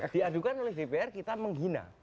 diadukan oleh dpr kita menghina